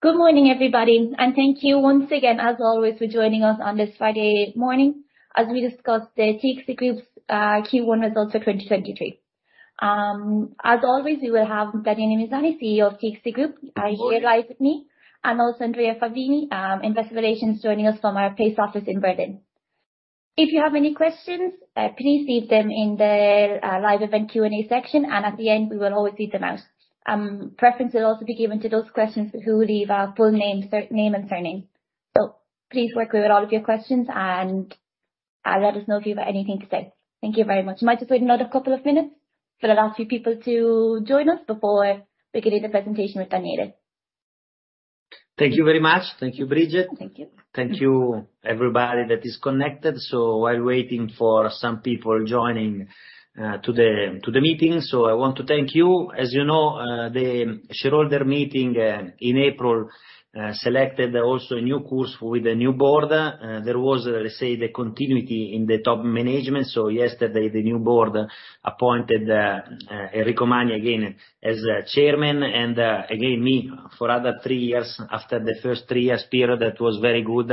Good morning, everybody. Thank you once again, as always, for joining us on this Friday morning as we discuss the TXT Group's Q1 Results for 2023. As always, we will have Daniele Misani, CEO of TXT Group, here live with me, also Andrea Favini, Investor Relations, joining us from our Paris office in Berlin. If you have any questions, please leave them in the live event Q&A section. At the end, we will always read them out. Preference will also be given to those questions who leave a full name and surname. Please work with all of your questions and let us know if you've anything to say. Thank you very much. We might just wait another couple of minutes for the last few people to join us before beginning the presentation with Daniele. Thank you very much. Thank you, Bridget. Thank you. Thank you, everybody that is connected. While waiting for some people joining, to the meeting. I want to thank you. As you know, the shareholder meeting, in April, selected also a new course with a new board. There was, let's say, the continuity in the top management. Yesterday, the new board appointed Enrico Magni again as Chairman and again, me for other three years after the first three years period that was very good,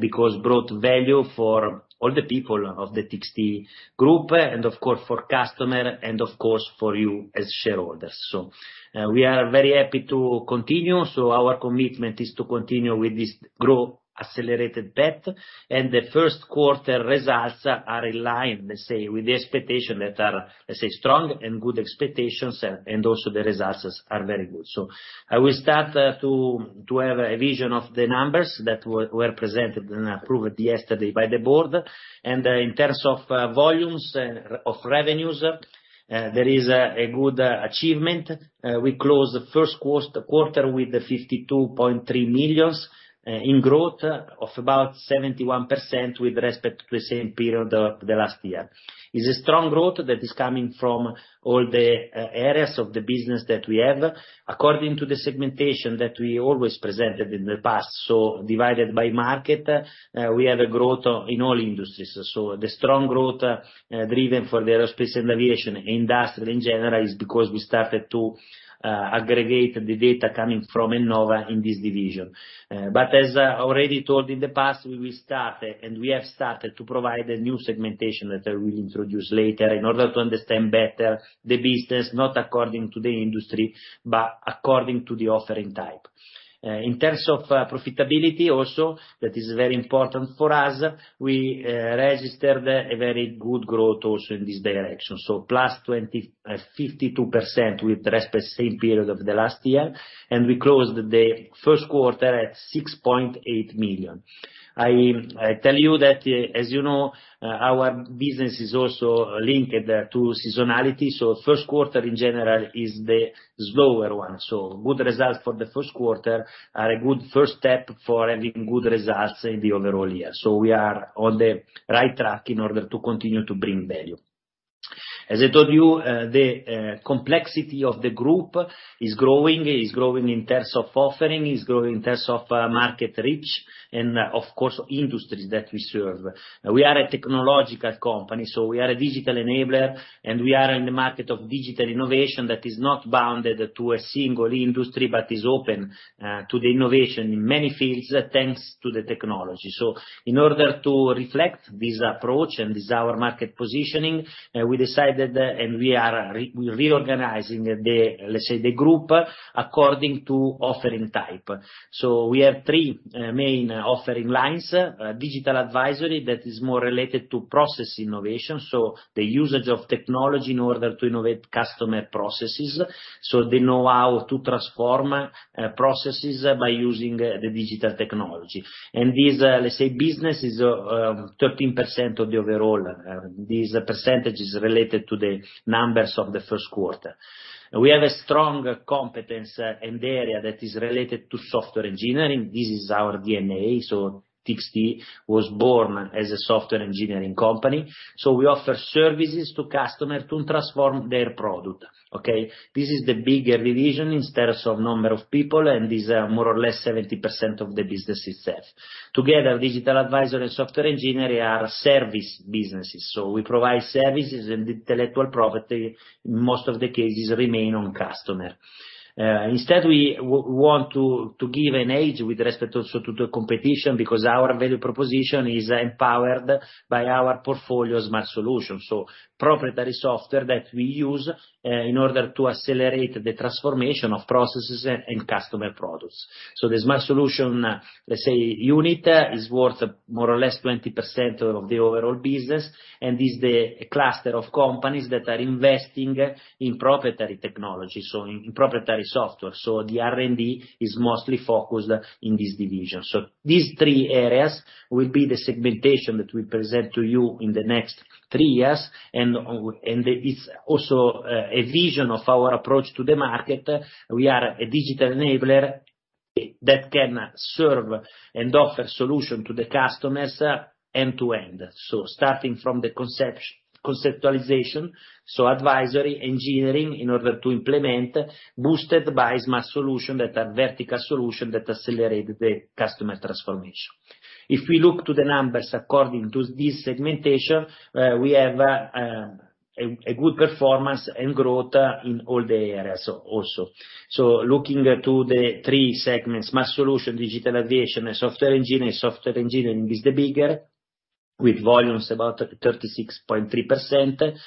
because brought value for all the people of the TXT Group and of course for customer and of course for you as shareholders. We are very happy to continue. Our commitment is to continue with this grow accelerated path. The first quarter results are in line, let's say, with the expectation that are, let's say, strong and good expectations, and also the results are very good. I will start to have a vision of the numbers that were presented and approved yesterday by the board. In terms of volumes of revenues, there is a good achievement. We closed the first quarter with 52.3 million in growth of about 71% with respect to the same period of the last year. Is a strong growth that is coming from all the areas of the business that we have according to the segmentation that we always presented in the past. Divided by market, we have a growth in all industries. The strong growth, driven for the aerospace and aviation industry in general is because we started to aggregate the data coming from Ennova in this division. As already told in the past, we will start, and we have started to provide a new segmentation that I will introduce later in order to understand better the business, not according to the industry, but according to the offering type. In terms of profitability also, that is very important for us. We registered a very good growth also in this direction, so +52% with respect same period of the last year. We closed the first quarter at 6.8 million. I tell you that, as you know, our business is also linked to seasonality. First quarter in general is the slower one. Good results for the first quarter are a good first step for having good results in the overall year. We are on the right track in order to continue to bring value. As I told you, the complexity of the Group is growing. It's growing in terms of offering, it's growing in terms of market reach and of course, industries that we serve. We are a technological company, so we are a digital enabler, and we are in the market of digital innovation that is not bounded to a single industry, but is open to the innovation in many fields, thanks to the technology. In order to reflect this approach, and this is our market positioning, we decided, and we are reorganizing the, let's say, the Group according to offering type. We have three main offering lines. Digital Advisory that is more related to process innovation, so the usage of technology in order to innovate customer processes, so they know how to transform processes by using the digital technology. This, let's say, business is 13% of the overall. This percentage is related to the numbers of the first quarter. We have a strong competence in the area that is related to Software Engineering. This is our D&A. TXT was born as a Software Engineering company. We offer services to customer to transform their product. Okay? This is the bigger division in terms of number of people, and is more or less 70% of the business itself. Together, Digital Advisory and Software Engineering are service businesses. We provide services and intellectual property, in most of the cases remain on customer. Instead we want to give an edge with respect also to the competition, because our value proposition is empowered by our portfolio Smart Solutions. Proprietary software that we use in order to accelerate the transformation of processes and customer products. The Smart Solutions, let's say, unit is worth more or less 20% of the overall business. This is the cluster of companies that are investing in proprietary technology. Proprietary software. The R&D is mostly focused in this division. These three areas will be the segmentation that we present to you in the next three years. It's also a vision of our approach to the market. We are a digital enabler that can serve and offer solution to the customers end to end. Starting from the conceptualization, so advisory, engineering, in order to implement, boosted by Smart Solution that are vertical solution that accelerate the customer transformation. If we look to the numbers according to this segmentation, we have a good performance and growth in all the areas also. Looking at to the three segments, Smart Solution, Digital Aviation, and Software Engineering. Software Engineering is the bigger, with volumes about 36.3%.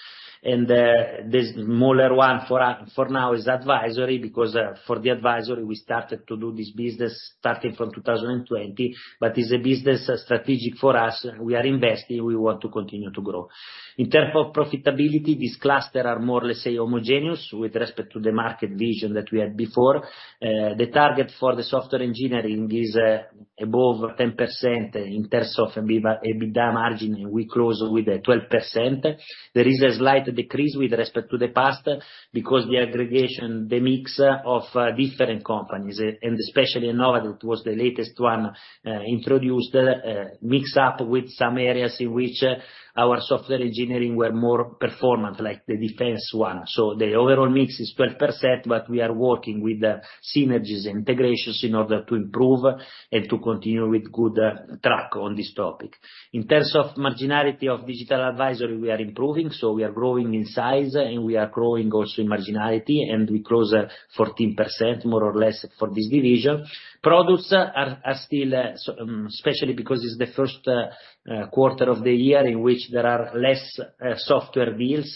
The smaller one for now is Advisory, because for the Advisory, we started to do this business starting from 2020, but is a business strategic for us, we are investing, we want to continue to grow. In terms of profitability, these cluster are more, let's say, homogeneous with respect to the market vision that we had before. The target for the software engineering is above 10% in terms of EBITDA margin, and we close with 12%. There is a slight decrease with respect to the past because the aggregation, the mix of different companies, and especially Ennova, that was the latest one, introduced mixed up with some areas in which our Software Engineering were more performant, like the defense one. The overall mix is 12%, but we are working with the synergies and integrations in order to improve and to continue with good track on this topic. In terms of marginality of Digital Advisory, we are improving. We are growing in size, and we are growing also in marginality, and we close 14% more or less for this division. Products are still especially because it's the first quarter of the year in which there are less software deals.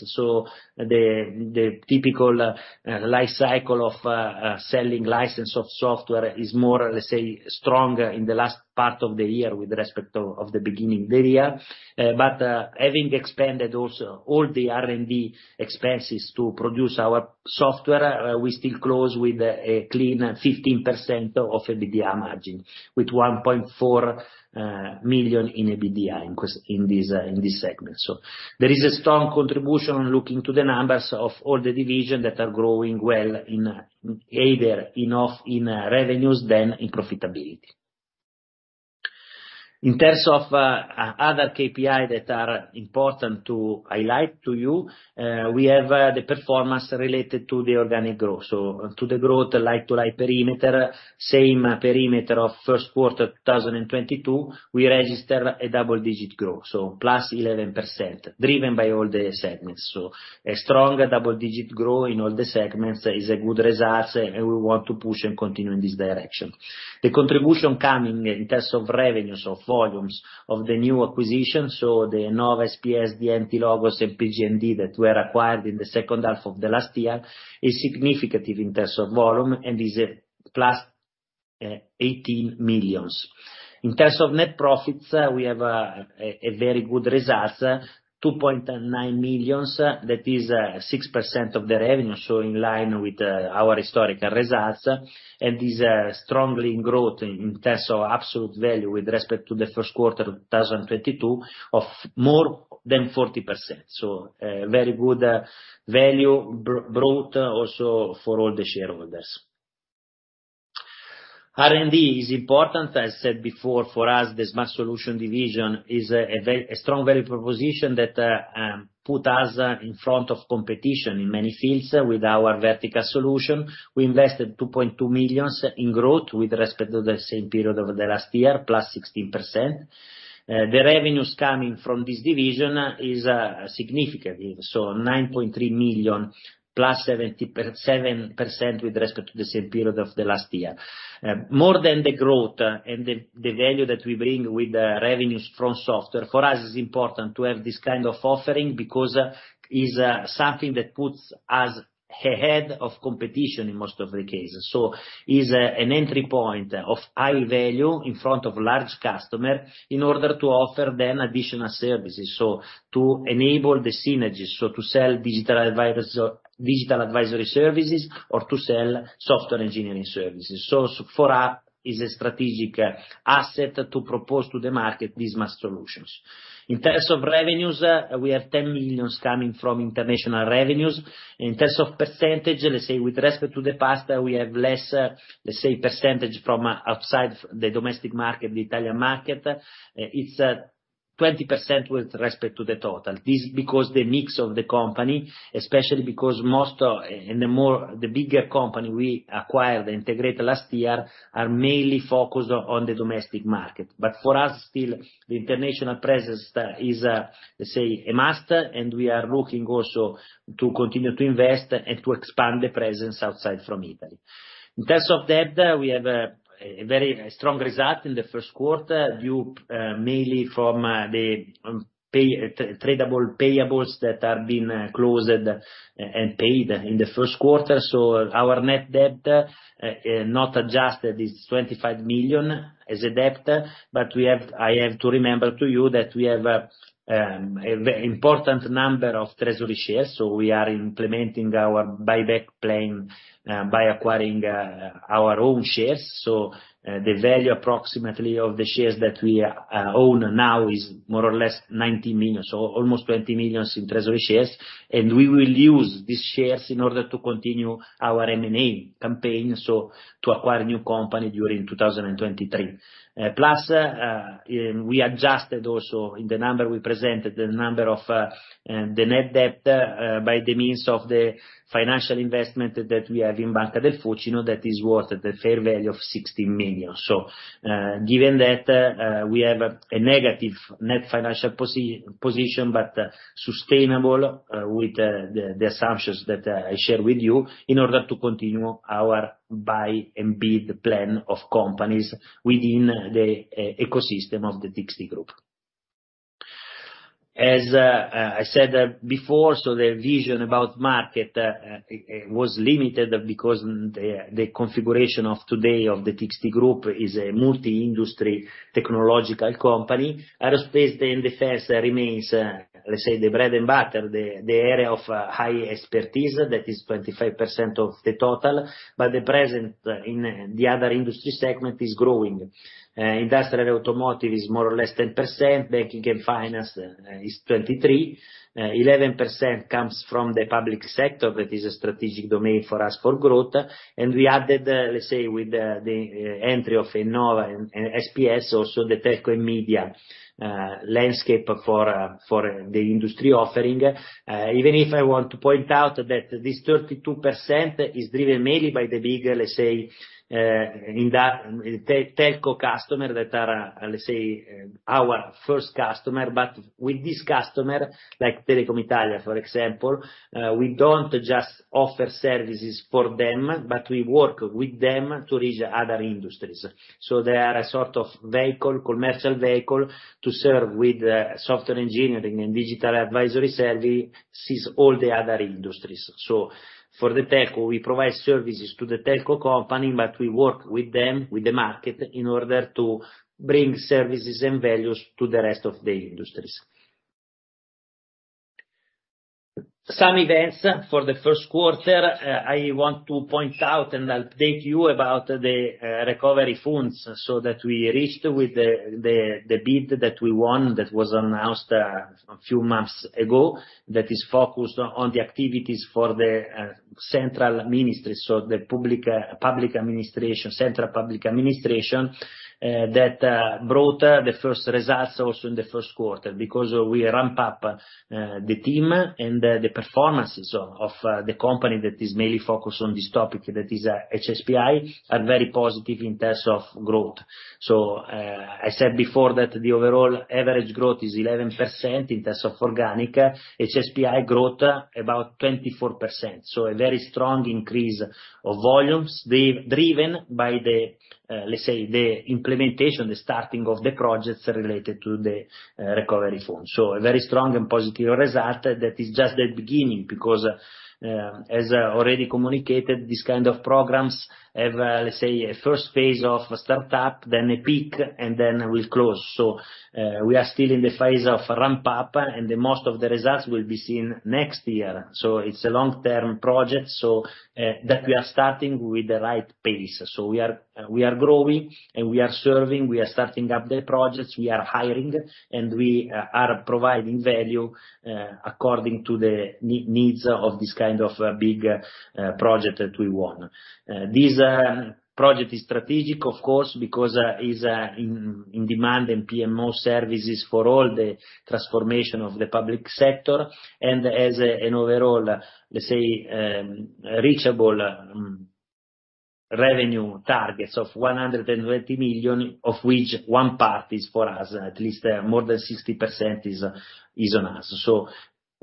The typical life cycle of selling license of software is more, let's say, strong in the last part of the year with respect of the beginning of the year. Having expanded also all the R&D expenses to produce our software, we still close with a clean 15% of EBITDA margin, with 1.4 million in EBITDA in this segment. There is a strong contribution looking to the numbers of all the division that are growing well in either enough in revenues then in profitability. In terms of other KPI that are important to highlight to you, we have the performance related to the organic growth. To the growth like to like perimeter, same perimeter of first quarter 2022, we register a double-digit growth, so +11%, driven by all the segments. A strong double-digit growth in all the segments is a good results, and we want to push and continue in this direction. The contribution coming in terms of revenues or volumes of the new acquisition, so Ennova, SPS, DM Management, Tlogos, and P.G.M.D. that were acquired in the second half of the last year, is significant in terms of volume, and is +18 million. In terms of net profits, we have a very good results, 2.9 million, that is 6% of the revenue. In line with our historical results, and is strongly growth in terms of absolute value with respect to the first quarter of 2022 of more than 40%. Very good value brought also for all the shareholders. R&D is important. As said before, for us, the Smart Solutions division is a strong value proposition that put us in front of competition in many fields with our vertical solution. We invested 2.2 million in growth with respect to the same period of the last year, plus 16%. The revenues coming from this division is significant, 9.3 million +7% with respect to the same period of the last year. More than the growth and the value that we bring with the revenues from software, for us, it's important to have this kind of offering because is something that puts us ahead of competition in most of the cases. Is an entry point of high value in front of large customer in order to offer them additional services. To enable the synergies, so to sell digital advisors or Digital Advisory services, or to sell Software Engineering services. For us is a strategic asset to propose to the market Smart Solutions. In terms of revenues, we have 10 million coming from international revenues. In terms of percentage, let's say, with respect to the past, we have less, let's say, percentage from outside the domestic market, the Italian market. It's 20% with respect to the total. This because the mix of the company, especially because the bigger company we acquired and integrated last year, are mainly focused on the domestic market. For us, still the international presence is, let's say, a must, and we are looking also to continue to invest and to expand the presence outside from Italy. In terms of debt, we have a very strong result in the first quarter due mainly from the tradable payables that are being closed and paid in the first quarter. Our net debt, not adjusted, is 25 million as a debt, but I have to remember to you that we have a very important number of treasury shares. We are implementing our buyback plan by acquiring our own shares. The value approximately of the shares that we own now is more or less 19 million. Almost 20 million in treasury shares, and we will use these shares in order to continue our M&A campaign. To acquire new company during 2023. Plus, we adjusted also in the number we presented, the number of the net debt, by the means of the financial investment that we have in Banca del Fucino, you know, that is worth at the fair value of 60 million. Given that we have a negative net financial position, but sustainable, with the assumptions that I shared with you in order to continue our buy and bid plan of companies within the ecosystem of the TXT Group. I said before, the vision about market was limited because the configuration of today of the TXT Group is a multi-industry technological company. Aerospace and Defense remains, let's say, the bread and butter, the area of high expertise that is 25% of the total. The present in the other industry segment is growing. Industrial automotive is more or less 10%. Banking and finance is 23%. 11% comes from the public sector. That is a strategic domain for us for growth. We added with the entry of Ennova and SPS, also the telco and media landscape for the industry offering. Even if I want to point out that this 32% is driven mainly by the big telco customer that are our first customer. With this customer, like Telecom Italia, for example, we don't just offer services for them, but we work with them to reach other industries. They are a sort of vehicle, commercial vehicle to serve with Software Engineering and Digital Advisory services all the other industries. For the telco, we provide services to the telco company, but we work with them, with the market in order to bring services and values to the rest of the industries. Some events for the first quarter, I want to point out, and I'll update you about the recovery funds, that we reached with the bid that we won that was announced a few months ago, that is focused on the activities for the central ministry. The public public administration, central public administration, that brought the first results also in the first quarter, because we ramp up the team and the performances of the company that is mainly focused on this topic that is HSPI, are very positive in terms of growth. I said before that the overall average growth is 11% in terms of organic. HSPI growth about 24%. A very strong increase of volumes, driven by the, let's say, the implementation, the starting of the projects related to the recovery fund. A very strong and positive result that is just the beginning because, as already communicated, these kind of programs have, let's say, a first phase of startup, then a peak, and then will close. We are still in the phase of ramp-up, and the most of the results will be seen next year. It's a long-term project, so, that we are starting with the right pace. We are, we are growing and we are serving, we are starting up the projects, we are hiring, and we are providing value, according to the needs of this kind of, big, project that we won. This project is strategic, of course, because is in demand and PMO services for all the transformation of the public sector. As an overall, let's say, reachable revenue targets of 120 million, of which one part is for us, at least more than 60% is on us.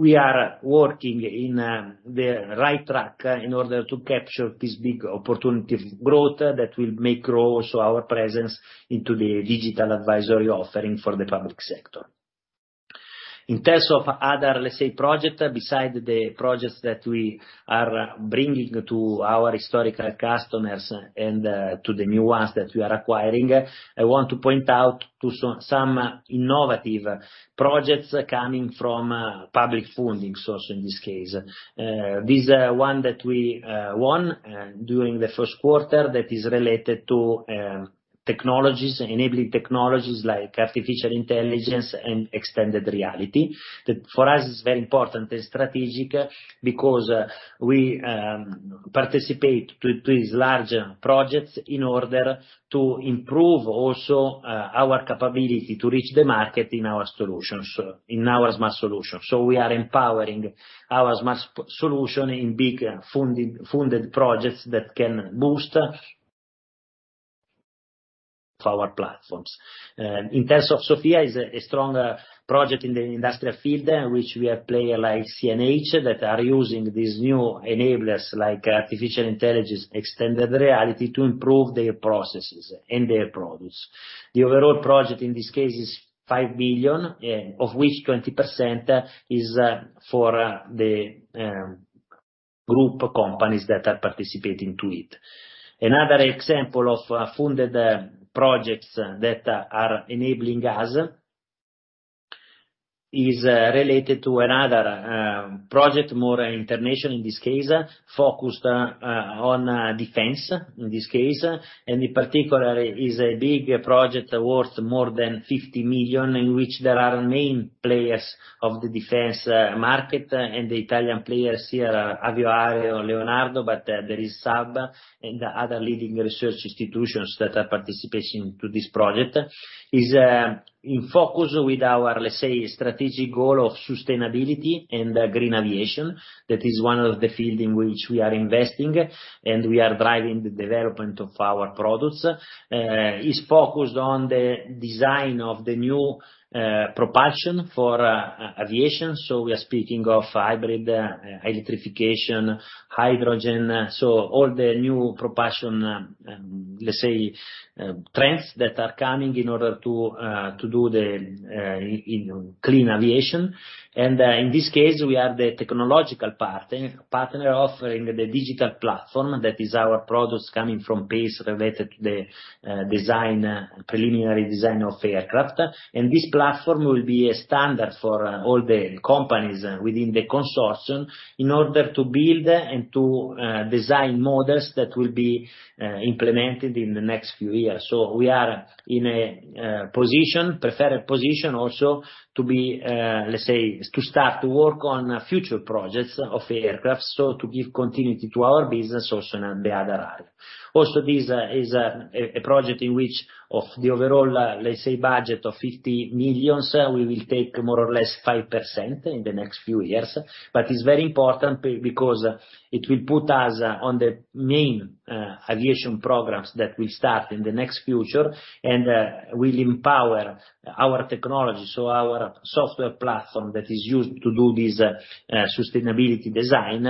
We are working in the right track in order to capture this big opportunity for growth that will make grow also our presence into the Digital Advisory offering for the public sector. In terms of other, let's say, project beside the projects that we are bringing to our historical customers and to the new ones that we are acquiring, I want to point out to some innovative projects coming from public funding source in this case. This one that we won during the first quarter that is related to technologies, enabling technologies like artificial intelligence and extended reality. For us is very important and strategic because we participate to these large projects in order to improve also our capability to reach the market in our solutions, in our Smart Solutions. We are empowering our Smart Solutions in big funded projects that can boost to our platforms. In terms of SOFIA, is a strong project in the industrial field in which we have player like CNH that are using these new enablers like artificial intelligence, extended reality, to improve their processes and their products. The overall project in this case is 5 billion, of which 20% is for the group companies that are participating to it. Another example of funded projects that are enabling us is related to another project, more international, in this case, focused on defense. In this case, in particular, is a big project worth more than 50 million, in which there are main players of the defense market. The Italian players here are Avio or Leonardo. There is Saab and other leading research institutions that are participating to this project. Is in focus with our, let's say, strategic goal of sustainability and green aviation. That is one of the field in which we are investing, and we are driving the development of our products. is focused on the design of the new propulsion for aviation, so we are speaking of hybrid electrification, hydrogen, so all the new propulsion, let's say, trends that are coming in order to do the, you know, clean aviation. In this case, we are the technological part-partner offering the digital platform. That is our products coming from base related to the design, preliminary design of aircraft. This platform will be a standard for all the companies within the consortium in order to build and to design models that will be implemented in the next few years. We are in a position, preferred position also to be, let's say, to start to work on future projects of aircraft, so to give continuity to our business also in the other area. This is a project in which of the overall, let's say budget of 50 million, we will take more or less 5% in the next few years. It's very important because it will put us on the main aviation programs that will start in the next future and will empower our technology. Our software platform that is used to do this sustainability design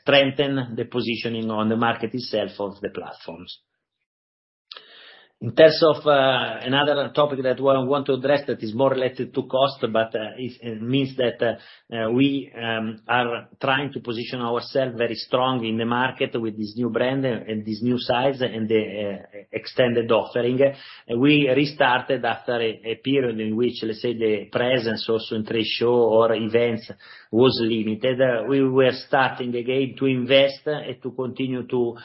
strengthen the positioning on the market itself of the platforms. In terms of another topic that I want to address that is more related to cost, but it means that we are trying to position ourselves very strong in the market with this new brand and this new size and the extended offering. We restarted after a period in which, let's say, the presence also in trade show or events was limited. We were starting again to invest and to continue to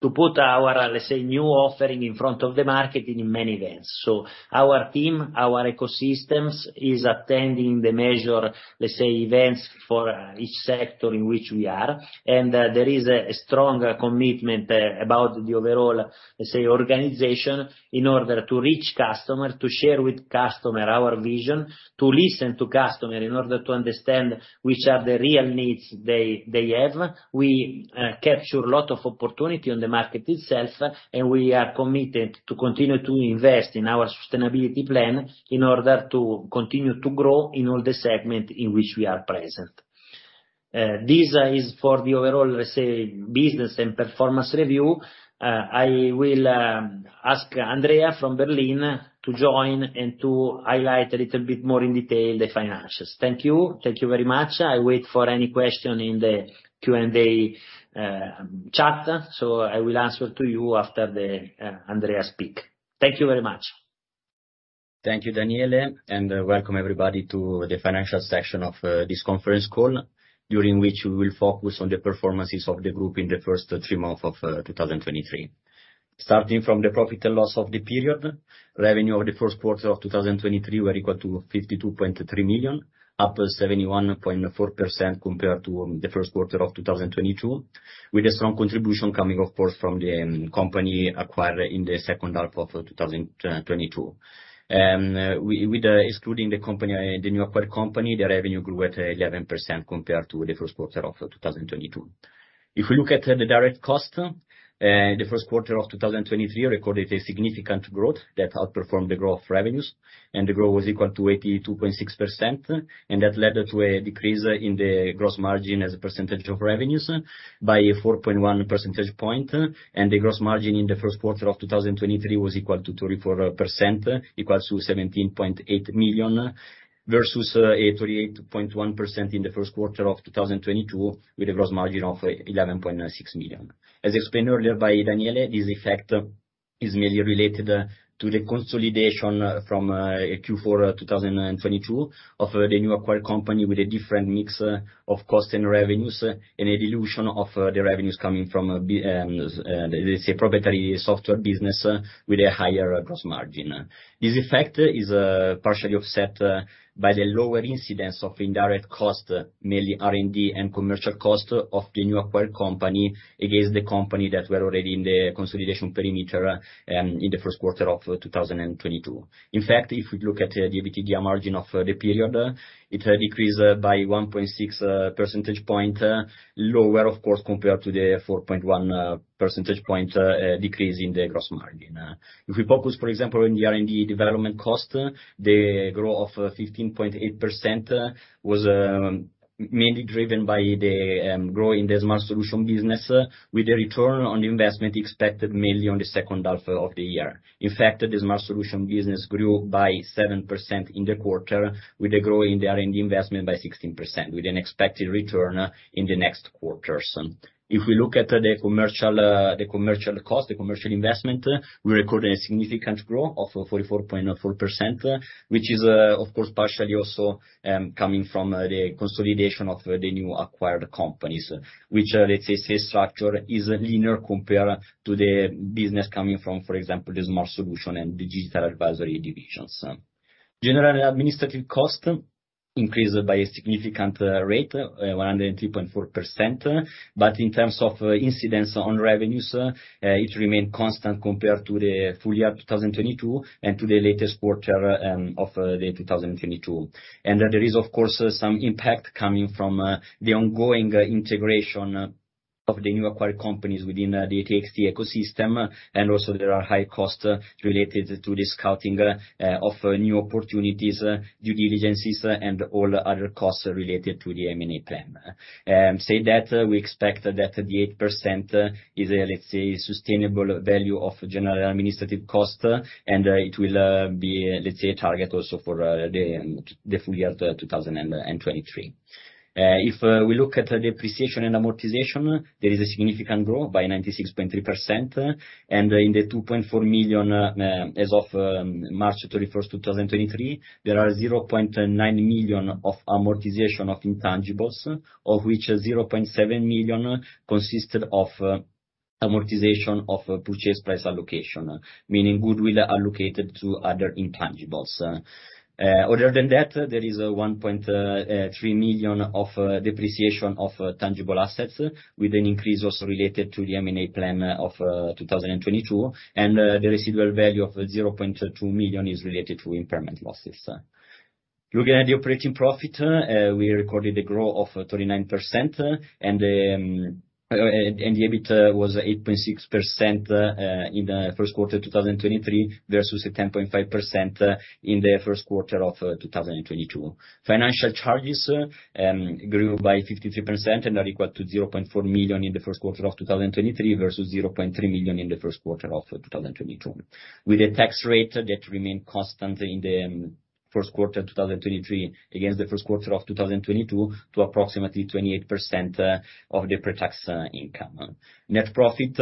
put our, let's say, new offering in front of the market in many events. Our team, our ecosystems, is attending the major, let's say, events for each sector in which we are. There is a strong commitment about the overall, let's say, organization in order to reach customer, to share with customer our vision, to listen to customer in order to understand which are the real needs they have. We capture lot of opportunity on the market itself, we are committed to continue to invest in our sustainability plan in order to continue to grow in all the segment in which we are present. This is for the overall, let's say, business and performance review. I will ask Andrea from Berlin to join and to highlight a little bit more in detail the financials. Thank you. Thank you very much. I wait for any question in the Q&A chat. I will answer to you after the Andrea speak. Thank you very much. Thank you, Daniele, welcome everybody to the financial section of this conference call, during which we will focus on the performances of the group in the first three months of 2023. Starting from the profit and loss of the period, revenue of the first quarter of 2023 were equal to 52.3 million, up 71.4% compared to the first quarter of 2022, with a strong contribution coming of course from the company acquired in the second half of 2022. Excluding the company, the new acquired company, the revenue grew at 11% compared to the first quarter of 2022. If we look at the direct cost, the first quarter of 2023 recorded a significant growth that outperformed the growth of revenues, the growth was equal to 82.6%, that led to a decrease in the gross margin as a percentage of revenues by a 4.1 percentage point. The gross margin in the first quarter of 2023 was equal to 34%, equals to 17.8 million, versus a 38.1% in the first quarter of 2022, with a gross margin of 11.6 million. As explained earlier by Daniele, this effect is merely related to the consolidation from Q4 2022 of the new acquired company with a different mix of cost and revenues and a dilution of the revenues coming from, let's say, proprietary software business with a higher gross margin. This effect is partially offset by the lower incidence of indirect cost, mainly R&D and commercial cost of the new acquired company against the company that were already in the consolidation perimeter in the first quarter of 2022. In fact, if we look at the EBITDA margin of the period, it decreased by 1.6 percentage point lower, of course, compared to the 4.1 percentage point decrease in the gross margin. We focus, for example, on the R&D development cost, the growth of 15.8% was mainly driven by the growth in the Smart Solutions business with the return on the investment expected mainly on the second half of the year. In fact, the Smart Solutions business grew by 7% in the quarter, with the growth in the R&D investment by 16%, with an expected return in the next quarters. If we look at the commercial, the commercial cost, the commercial investment, we recorded a significant growth of 44.4%, which is, of course, partially also coming from the consolidation of the new acquired companies, which, let's say, structure is linear compared to the business coming from, for example, the Smart Solutions and Digital Advisory divisions. General administrative cost increased by a significant rate, 103.4%, but in terms of incidence on revenues, it remained constant compared to the full year of 2022 and to the latest quarter of 2022. There is, of course, some impact coming from the ongoing integration of the new acquired companies within the TXT ecosystem. Also there are high costs related to the scouting of new opportunities, due diligences and all other costs related to the M&A plan. Said that, we expect that the 8% is, let's say, sustainable value of general administrative cost, and it will be, let's say, a target also for the full year 2023. If we look at the depreciation and amortization, there is a significant growth by 96.3%, and in the 2.4 million as of March 31st, 2023, there are 0.9 million of amortization of intangibles, of which 0.7 million consisted of amortization of Purchase Price Allocation, meaning goodwill allocated to other intangibles. Other than that, there is 1.3 million of depreciation of tangible assets with an increase also related to the M&A plan of 2022, and the residual value of 0.2 million is related to impairment losses. Looking at the operating profit, we recorded a growth of 39% and the EBIT was 8.6% in the first quarter 2023 versus a 10.5% in the first quarter of 2022. Financial charges grew by 53% and are equal to 0.4 million in the first quarter of 2023 versus 0.3 million in the first quarter of 2022. With a tax rate that remained constant in the first quarter 2023 against the first quarter of 2022 to approximately 28% of the pre-tax income. Net profit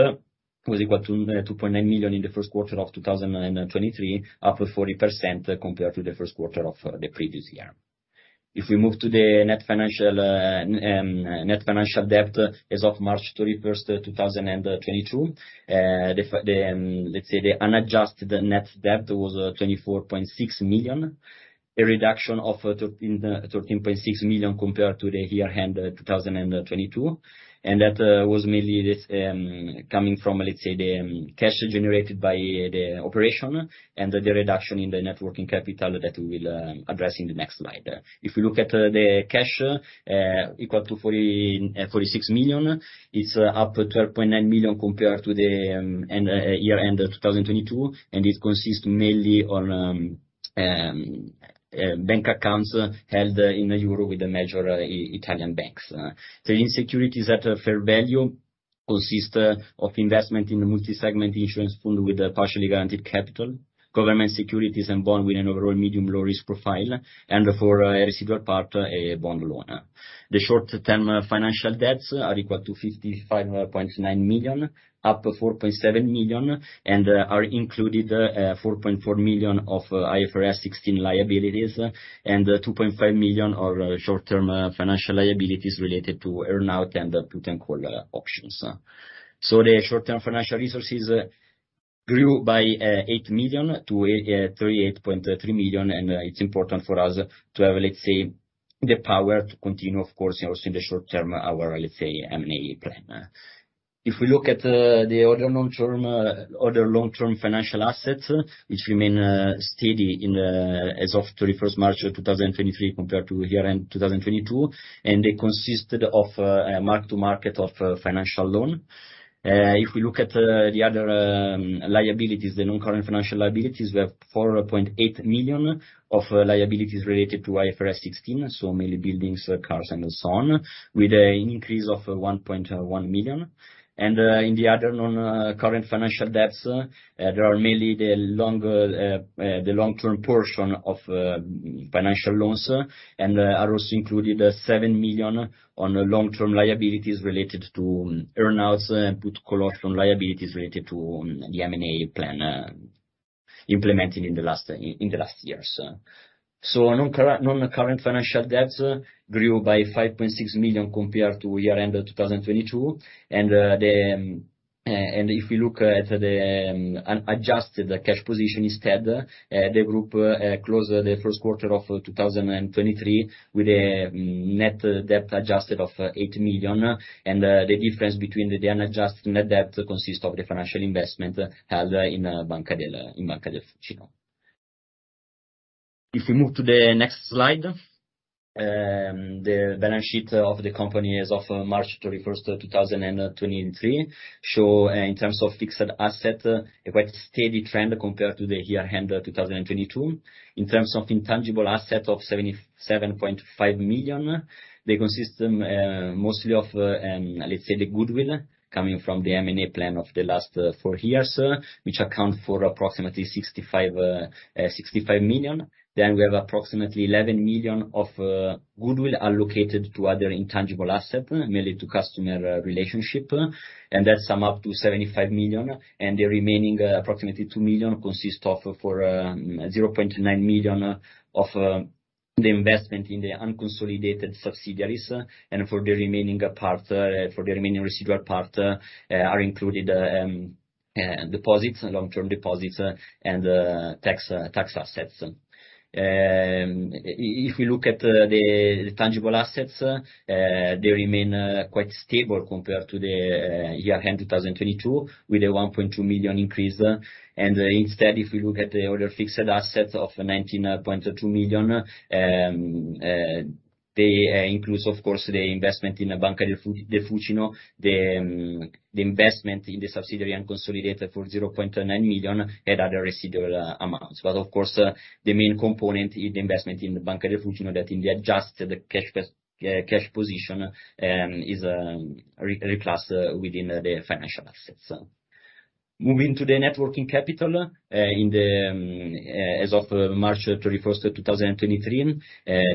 was equal to 2.9 million in the first quarter of 2023, up 40% compared to the first quarter of the previous year. If we move to the net financial net financial debt as of March 31st, 2022, the unadjusted net debt was 24.6 million, a reduction of 13.6 million compared to the year end 2022. That was mainly this coming from the cash generated by the operation and the reduction in the net working capital that we will address in the next slide. If we look at the cash, equal to 46 million, it's up 12.9 million compared to the year end of 2022, and it consists mainly on bank accounts held in euro with the major Italian banks. The securities at fair value consist of investment in the multi-segment insurance pool with a partially guaranteed capital, government securities and bonds with an overall medium low risk profile, and for a residual part, a bond loan. The short-term financial debts are equal to 55.9 million, up 4.7 million, and are included 4.4 million of IFRS 16 liabilities, and 2.5 million are short-term financial liabilities related to earn-out and put and call options. The short-term financial resources grew by 8 million-38.3 million, and it's important for us to have, let's say, the power to continue, of course, also in the short term, our, let's say, M&A plan. If we look at the other long-term financial assets, which remain steady as of 31st March 2023 compared to year end 2022, and they consisted of a mark to market of financial loan. If we look at the other liabilities, the non-current financial liabilities, we have 4.8 million of liabilities related to IFRS 16, so mainly buildings, cars and so on, with an increase of 1.1 million. In the other non-current financial debts, there are mainly the longer, the long-term portion of financial loans and are also included 7 million on long-term liabilities related to earn-outs and put call option liabilities related to the M&A plan implemented in the last years. Non-current financial debts grew by 5.6 million compared to year end of 2022. If we look at the unadjusted cash position instead, the group closed the first quarter of 2023, with a net debt adjusted of 8 million. The difference between the unadjusted net debt consists of the financial investment held in Banca del Fucino. If we move to the next slide, the balance sheet of the company as of March 31st, 2023 show in terms of fixed asset, a quite steady trend compared to the year end 2022. In terms of intangible asset of 77.5 million, they consist mostly of, let's say, the goodwill coming from the M&A plan of the last four years, which account for approximately 65 million. We have approximately 11 million of goodwill allocated to other intangible asset, mainly to customer relationship, and that sum up to 75 million. The remaining approximately 2 million consist of for 0.9 million of the investment in the unconsolidated subsidiaries, and for the remaining residual part are included deposits, long-term deposits, and tax assets. If we look at the tangible assets, they remain quite stable compared to the year end 2022, with a 1.2 million increase. Instead, if we look at the other fixed assets of 19.2 million, they includes, of course, the investment in Banca del Fucino, the investment in the subsidiary unconsolidated for 0.9 million at other residual amounts. Of course, the main component in the investment in Banca del Fucino that in the adjusted cash position is reclassed within the financial assets. Moving to the net working capital, as of March 31st, 2023,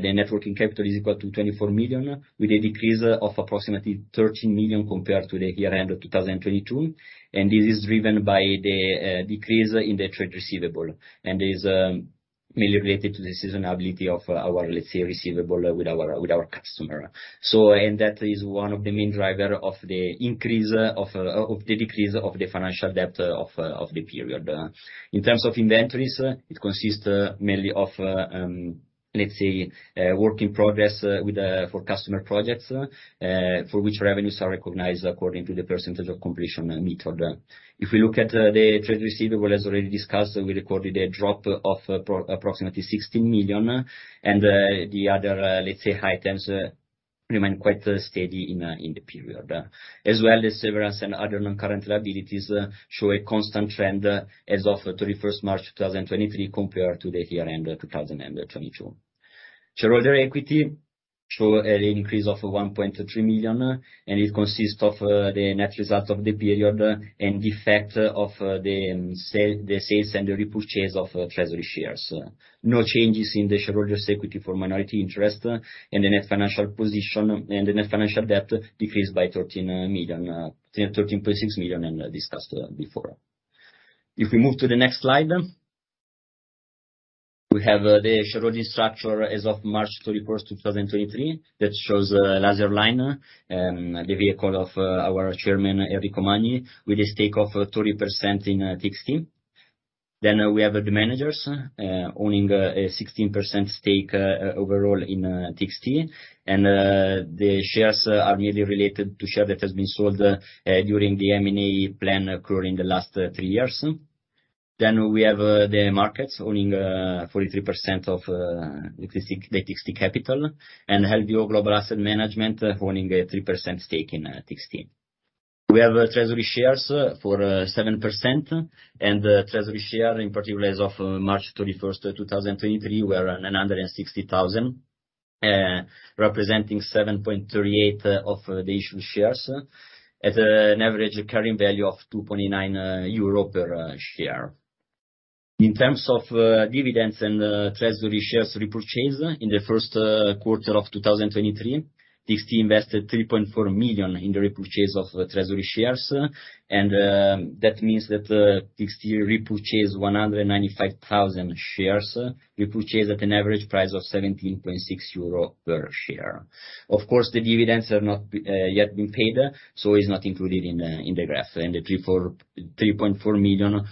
the net working capital is equal to 24 million, with a decrease of approximately 13 million compared to the year end of 2022, this is driven by the decrease in the trade receivable, and is mainly related to the seasonability of our, let's say, receivable with our customer. That is one of the main driver of the decrease of the financial debt of the period. In terms of inventories, it consist mainly of work in progress with for customer projects for which revenues are recognized according to the percentage of completion method. If we look at the trade receivable, as already discussed, we recorded a drop of approximately 16 million. The other high items remain quite steady in the period. As well as severance and other non-current liabilities show a constant trend as of 31st March 2023 compared to the year end of 2022. Shareholder equity show an increase of 1.3 million. It consist of the net result of the period and the effect of the sales and the repurchase of treasury shares. No changes in the shareholders equity for minority interest, and the net financial position, and the net financial debt decreased by 13 million, EUR 3 and 13.6 million discussed before. If we move to the next slide, we have the shareholder structure as of March 31st, 2023. That shows Laserline, the vehicle of our chairman, Enrico Magni, with a stake of 30% in TXT. We have the managers owning a 16% stake overall in TXT, and the shares are mainly related to share that has been sold during the M&A plan occurring the last three years. We have the markets owning 43% of the TXT, the TXT capital, and Helio Global Asset Management owning a 3% stake in TXT. We have treasury shares for 7%. The treasury share in particular as of March 31st, 2023, were 960,000, representing 7.38% of the issued shares at an average carrying value of 2.9 euro per share. In terms of dividends and treasury shares repurchase, in the first quarter of 2023, TXT invested 3.4 million in the repurchase of treasury shares. That means that TXT repurchase 195,000 shares, repurchase at an average price of 17.6 euro per share. Of course, the dividends have not yet been paid, so it's not included in the graph. The 3.4 million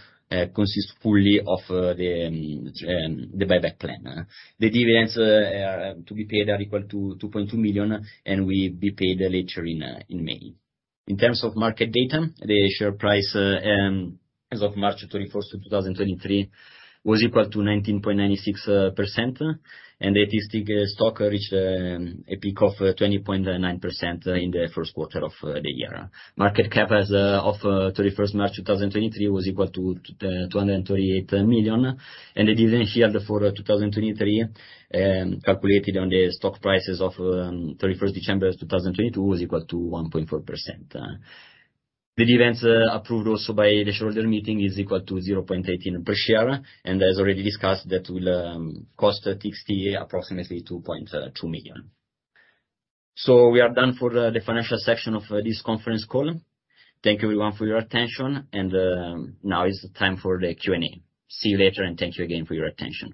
consists fully of the buyback plan. The dividends are to be paid are equal to 2.2 million, and will be paid later in May. In terms of market data, the share price as of March 31st, 2023, was equal to 19.96%, and the TXT stock reached a peak of 20.9% in the first quarter of the year. Market cap as of March 31st, 2023, was equal to 238 million, and the dividend yield for 2023, calculated on the stock prices of December 31st, 2022, was equal to 1.4%. The dividends approved also by the shareholder meeting, is equal to 0.8 per share, and as already discussed, that will cost TXT approximately 2.2 million. We are done for the financial section of this conference call. Thank you everyone for your attention. Now is the time for the Q&A. See you later. Thank you again for your attention.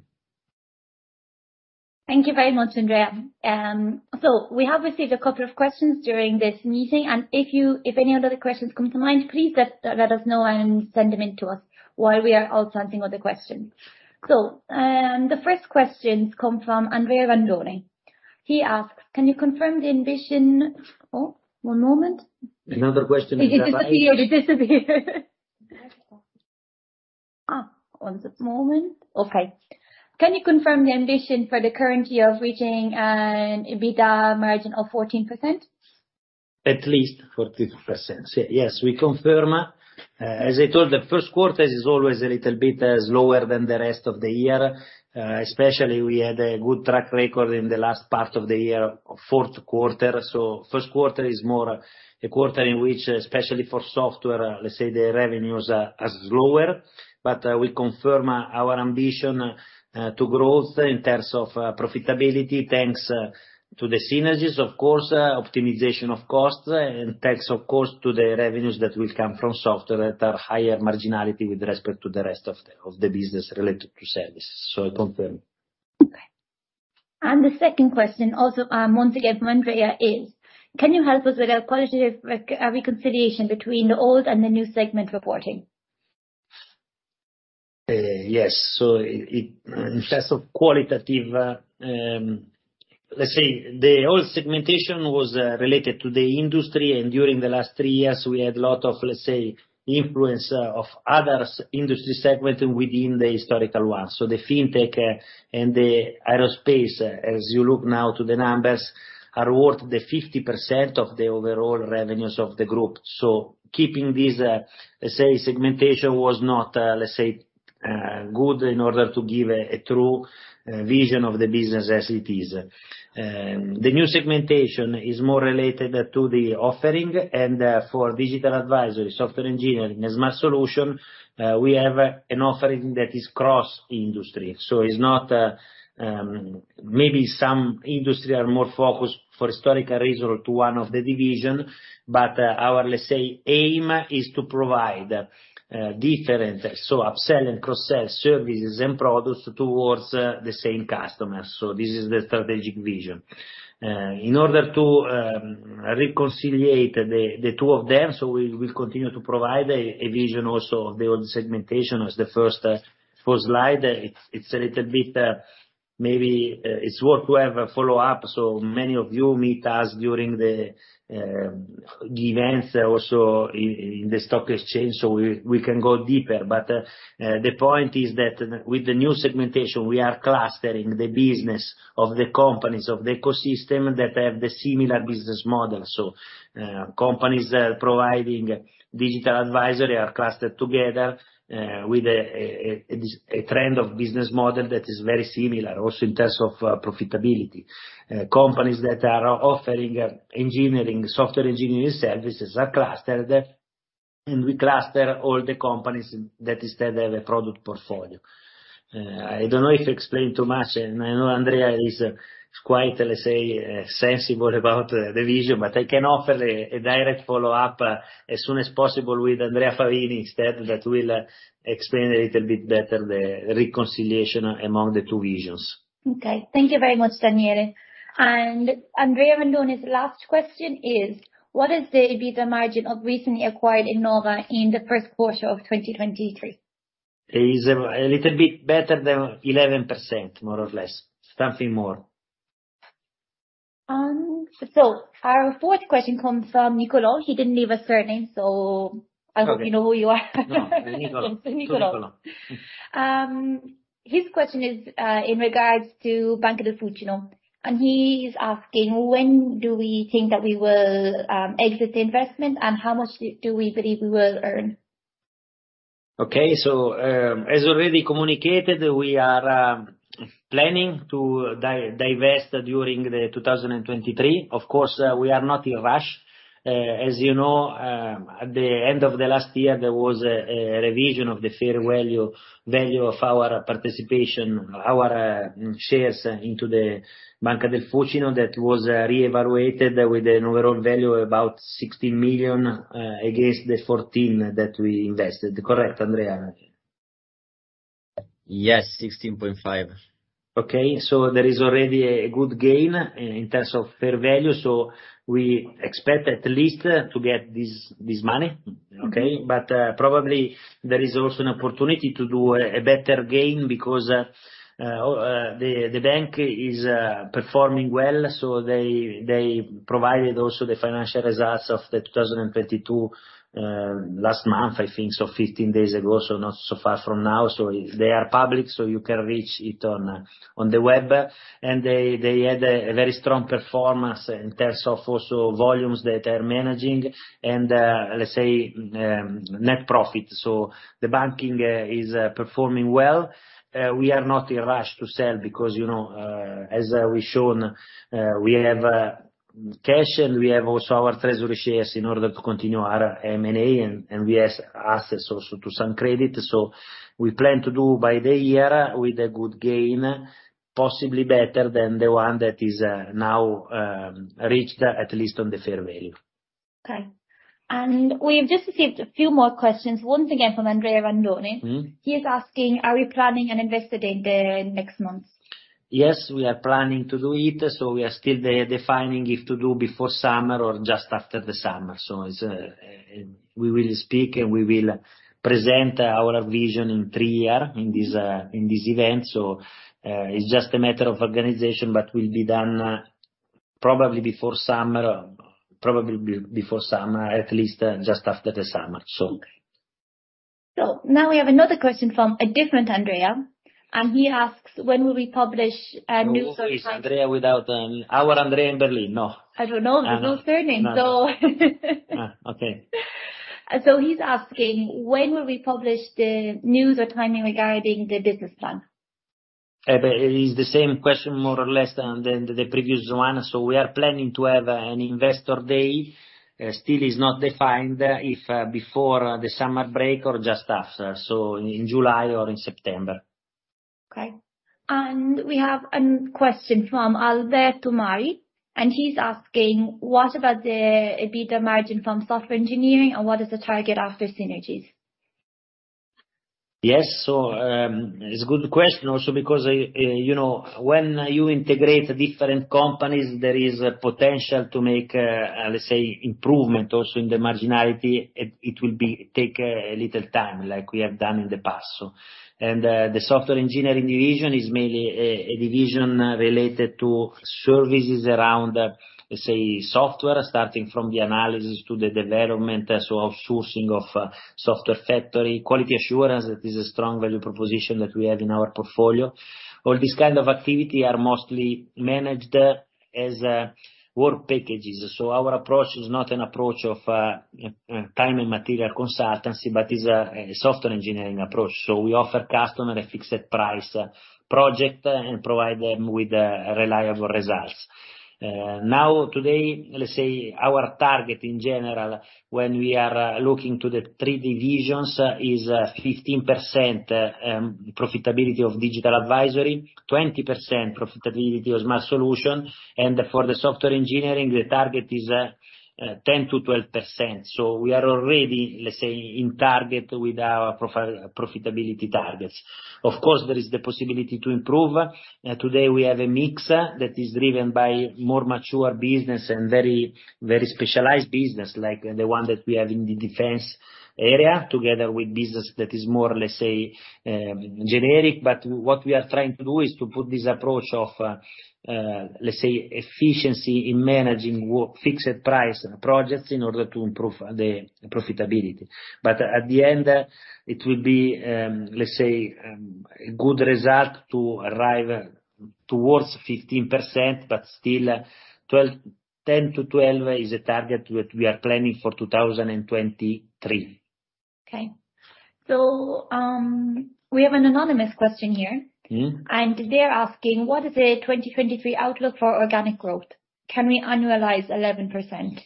Thank you very much, Andrea. We have received a couple of questions during this meeting, and if any other questions come to mind, please let us know and send them in to us while we are also answering other questions. The first questions come from Andrea Randone. He asks, "Can you confirm the ambition." Oh, one moment. Another question has appeared. It disappeared. One moment. Can you confirm the ambition for the current year of reaching an EBITDA margin of 14%? At least 14%. Yes, we confirm. As I told, the first quarter is always a little bit slower than the rest of the year. Especially we had a good track record in the last part of the year, fourth quarter. First quarter is more a quarter in which, especially for software, let's say the revenues are slower. We confirm our ambition to growth in terms of profitability, thanks to the synergies, of course, optimization of costs, and thanks of course to the revenues that will come from software that are higher marginality with respect to the rest of the business related to services. Confirm. Okay. The second question also, once again from Andrea, is: Can you help us with a qualitative reconciliation between the old and the new segment reporting? Yes. In terms of qualitative, let's say the old segmentation was related to the industry, and during the last three years, we had lot of, let's say, influence of others industry segment within the historical one. The FinTech and the aerospace, as you look now to the numbers, are worth the 50% of the overall revenues of the group. Keeping this, let's say, segmentation was not, let's say, good in order to give a true vision of the business as it is. The new segmentation is more related to the offering and for Digital Advisory, Software Engineering, as Smart solution, we have an offering that is cross-industry. It's not. Maybe some industry are more focused for historical reason to one of the division. Our, let's say, aim is to provide different, so upsell and cross-sell services and products towards the same customers. This is the strategic vision. In order to reconciliate the two of them, we continue to provide a vision also of the old segmentation as the first slide. It's a little bit maybe it's worth to have a follow-up. Many of you meet us during the events also in the stock exchange, we can go deeper. The point is that with the new segmentation we are clustering the business of the companies, of the ecosystem that have the similar business model. Companies providing Digital Advisory are clustered together with a trend of business model that is very similar also in terms of profitability. Companies that are offering engineering, Software Engineering services are clustered, and we cluster all the companies that instead have a product portfolio. I don't know if I explained too much, and I know Andrea is quite, let's say, sensible about the vision, but I can offer a direct follow-up as soon as possible with Andrea Favini instead, that will explain a little bit better the reconciliation among the two visions. Okay. Thank you very much, Daniele. Andrea Randone's last question is: What is the EBITDA margin of recently acquired Ennova in the first quarter of 2023? Is a little bit better than 11%, more or less. Something more. Our fourth question comes from Nicolo. He didn't leave a surname, so I hope you know who you are. No, Nicolo. Nicolo. His question is in regards to Banca del Fucino, and he's asking, when do we think that we will exit the investment, and how much do we believe we will earn? Okay. As already communicated, we are planning to divest during 2023. Of course, we are not in rush. As you know, at the end of the last year, there was a revision of the fair value of our participation, our shares into the Banca del Fucino that was re-evaluated with an overall value about 16 million against the 14 million that we invested. Correct, Andrea? Yes, 16.5 million. Okay. There is already a good gain in terms of fair value. We expect at least to get this money. Okay? Probably there is also an opportunity to do a better gain because the bank is performing well. They provided also the financial results of 2022, last month, I think, so 15 days ago, not so far from now. They are public, so you can reach it on the web. They had a very strong performance in terms of also volumes that are managing and, let's say, net profit. The banking is performing well. We are not in rush to sell because, you know, as we shown, we have cash and we have also our treasury shares in order to continue our M&A and we have access also to some credit. We plan to do by the year with a good gain, possibly better than the one that is now reached at least on the fair value. Okay. We've just received a few more questions, once again from Andrea Randone. Mm-hmm. He is asking, are we planning an Investor Day in the next months? Yes, we are planning to do it. We are still defining if to do before summer or just after the summer. We will speak and we will present our vision in three years in this event. It's just a matter of organization, but will be done. Probably before summer, at least, just after the summer. Now we have another question from a different Andrea. He asks: When will we publish a. No, which is Andrea without. Our Andrea in Berlin? No. I don't know. Uh-uh. There's no surname. No. So Okay. He's asking: When will we publish the news or timing regarding the business plan? It is the same question more or less than the previous one. We are planning to have an Investor Day. still is not defined if, before the summer break or just after, in July or in September. Okay. We have a question from Alberto Mari, and he's asking: What about the EBITDA margin from Software Engineering, and what is the target after synergies? Yes. It's a good question also because, you know, when you integrate different companies, there is a potential to make, let's say, improvement also in the marginality. It will be take a little time like we have done in the past. The Software Engineering division is mainly a division related to services around, let's say, software starting from the analysis to the development, so outsourcing of software factory. Quality assurance is a strong value proposition that we have in our portfolio. All this kind of activity are mostly managed as work packages. Our approach is not an approach of time and material consultancy, but is a software engineering approach. We offer customer a fixed price project and provide them with reliable results. Now today, let's say, our target in general, when we are looking to the three divisions is 15% profitability of Digital Advisory, 20% profitability of Smart Solutions, and for the Software Engineering, the target is 10%-12%. We are already, let's say, in target with our profitability targets. Of course, there is the possibility to improve. Today we have a mix that is driven by more mature business and very, very specialized business like the one that we have in the defense area together with business that is more, let's say, generic. What we are trying to do is to put this approach of, let's say, efficiency in managing fixed price projects in order to improve the profitability. At the end, it will be, let's say, a good result to arrive towards 15%, but still 10%-12% is a target that we are planning for 2023. Okay. We have an anonymous question here. Mm-hmm. They're asking: What is the 2023 outlook for organic growth? Can we annualize 11%?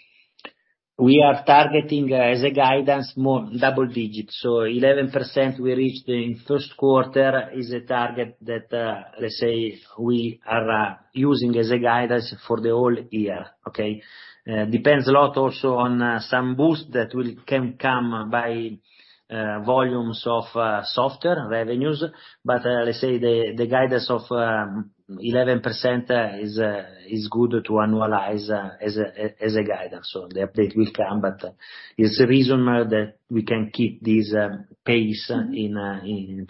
We are targeting as a guidance more double digits. 11% we reached in first quarter is a target that let's say we are using as a guidance for the whole year. Okay? depends a lot also on some boost that can come by volumes of software revenues. let's say the guidance of 11% is good to annualize as a guidance. the update will come, but there's a reason that we can keep this pace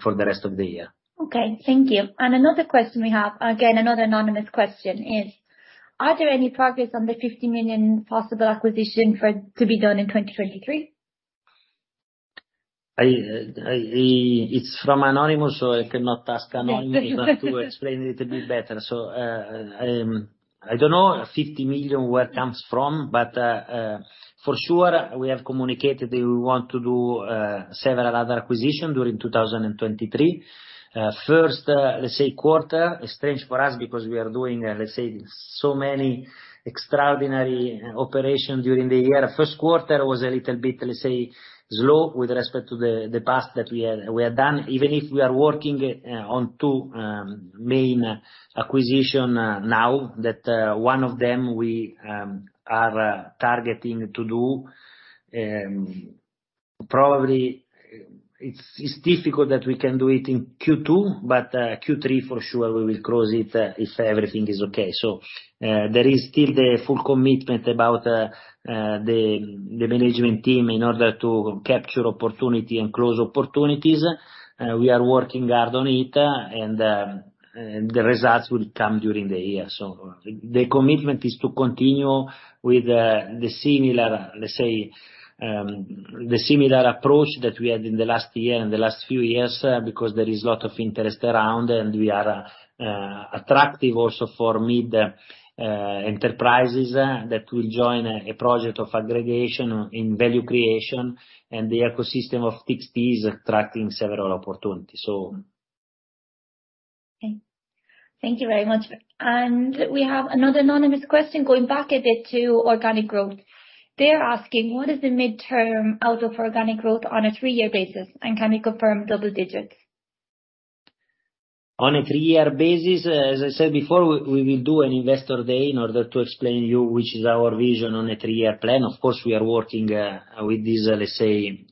for the rest of the year. Okay. Thank you. Another question we have, again, another anonymous question is: Are there any progress on the 50 million possible acquisition to be done in 2023? It's from anonymous, I cannot ask anonymous to explain a little bit better. I don't know 50 million where comes from. For sure we have communicated that we want to do several other acquisition during 2023. First, let's say, quarter is strange for us because we are doing, let's say, so many extraordinary operations during the year. First quarter was a little bit, let's say, slow with respect to the past that we had done, even if we are working on two main acquisition now, that one of them we are targeting to do. Probably it's difficult that we can do it in Q2. Q3 for sure we will close it if everything is okay. There is still the full commitment about the management team in order to capture opportunity and close opportunities. We are working hard on it, and the results will come during the year. The commitment is to continue with the similar, let's say, the similar approach that we had in the last year, in the last few years, because there is a lot of interest around, and we are attractive also for mid enterprises, that will join a project of aggregation in value creation, and the ecosystem of TXT is attracting several opportunities. Okay. Thank you very much. We have another anonymous question going back a bit to organic growth. They're asking: What is the midterm outlook for organic growth on a three-year basis, and can you confirm double digits? On a three-year basis, as I said before, we will do an Investor Day in order to explain you which is our vision on a three-year plan. Of course, we are working with this, let's say,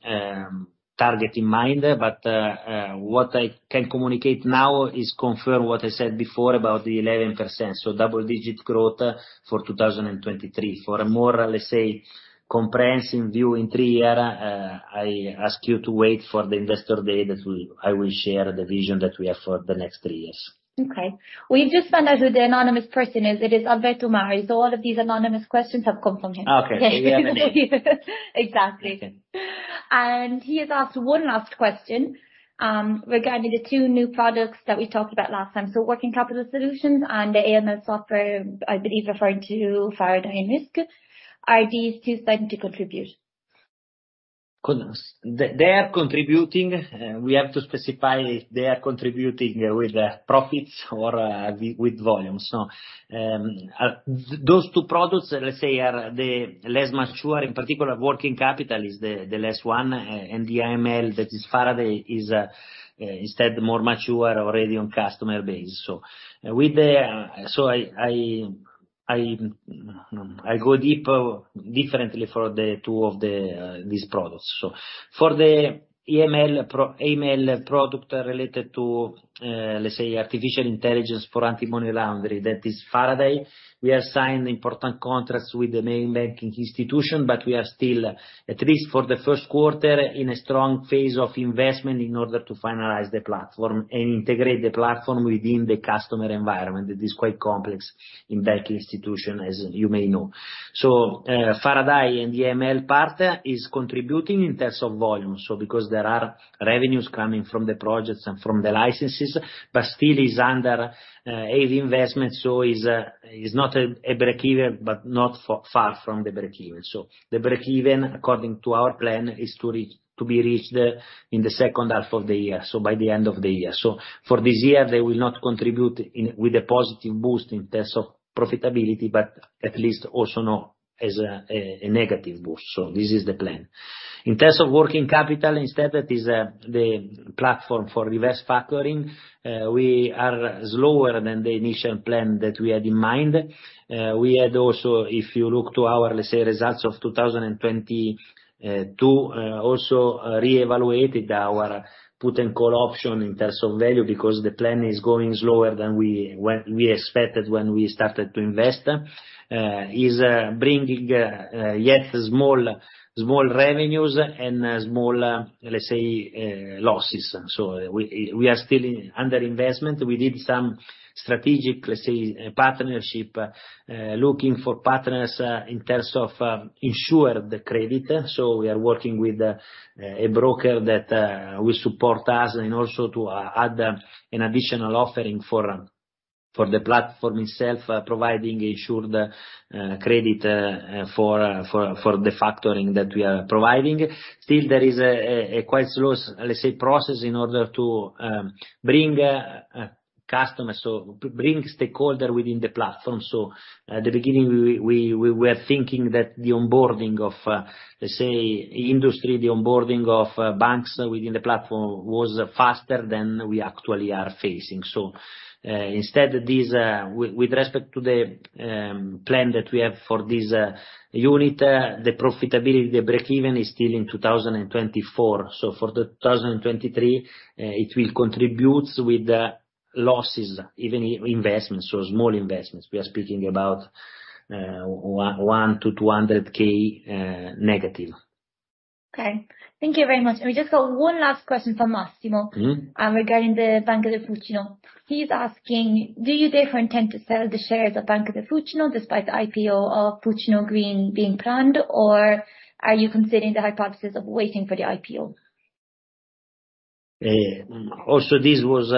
target in mind. What I can communicate now is confirm what I said before about the 11%, so double-digit growth for 2023. For a more, let's say, comprehensive view in three-year, I ask you to wait for the Investor Day I will share the vision that we have for the next three years. Okay. We've just found out who the anonymous person is. It is Alberto Mari. All of these anonymous questions have come from him. Okay. We have a name. Exactly. He has asked one last question regarding the two new products that we talked about last time. Working capital solutions and the AML software, I believe referring to Faraday and NISC. Are these two starting to contribute? Goodness. They are contributing. We have to specify if they are contributing with the profits or with volume. Those two products, let's say are the less mature, in particular, working capital is the less one, and the AML, that is Faraday, is instead more mature, already on customer base. I'll go deeper differently for the two of these products. For the AML product related to, let's say, artificial intelligence for Anti-Money Laundering, that is Faraday. We have signed important contracts with the main banking institution, we are still, at least for the first quarter, in a strong phase of investment in order to finalize the platform and integrate the platform within the customer environment. It is quite complex in banking institution, as you may know. Faraday and the AML part is contributing in terms of volume. Because there are revenues coming from the projects and from the licenses, but still is under heavy investment, is not a breakeven, but not far from the breakeven. The breakeven, according to our plan, is to reach, to be reached in the second half of the year, by the end of the year. For this year they will not contribute in, with a positive boost in terms of profitability, but at least also not as a negative boost. This is the plan. In terms of working capital, instead that is the platform for reverse factoring, we are slower than the initial plan that we had in mind. We had also, if you look to our, let's say, results of 2022, also reevaluated our put and call option in terms of value because the plan is going slower than we expected when we started to invest. is bringing, yet small revenues and small, let's say, losses. we are still under investment. We did some strategic, let's say, partnership, looking for partners, in terms of ensure the credit. we are working with a broker that will support us and also to add an additional offering for the platform itself, providing insured credit for the factoring that we are providing. Still there is a quite slow, let's say, process in order to bring customers or bring stakeholder within the platform. At the beginning we were thinking that the onboarding of, let's say, industry, the onboarding of banks within the platform was faster than we actually are facing. Instead this, with respect to the plan that we have for this unit, the profitability, the breakeven is still in 2024. For the 2023, it will contribute with the losses, even investments, so small investments. We are speaking about -1--200,000. Okay. Thank you very much. We just got one last question from Massimo. Mm-hmm. Regarding the Banca del Fucino. He's asking: Do you therefore intend to sell the shares of Banca del Fucino despite the IPO of Fucino Green being planned or are you considering the hypothesis of waiting for the IPO? Also this was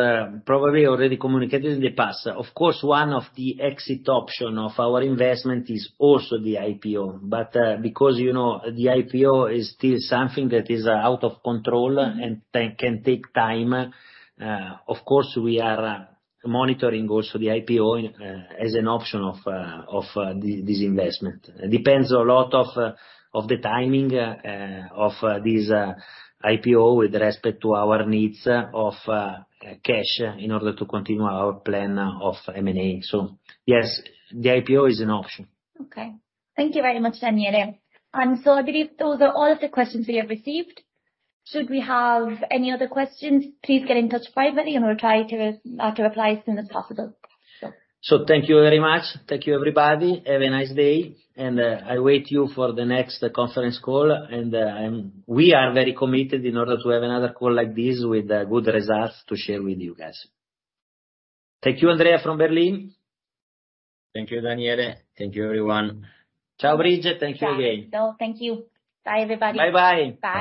probably already communicated in the past. Of course, one of the exit option of our investment is also the IPO. Because, you know, the IPO is still something that is out of control and can take time, of course, we are monitoring also the IPO as an option of this investment. Depends a lot of the timing of this IPO with respect to our needs of cash in order to continue our plan of M&A. Yes, the IPO is an option. Okay. Thank you very much, Daniele. I believe those are all of the questions we have received. Should we have any other questions, please get in touch privately and we'll try to reply as soon as possible. Thank you very much. Thank you, everybody. Have a nice day, and I wait you for the next conference call. We are very committed in order to have another call like this with good results to share with you guys. Thank you, Andrea from Berlin. Thank you, Daniele. Thank you, everyone. Ciao, Bridget. Thank you again. Yeah. Thank you. Bye everybody. Bye-bye. Bye.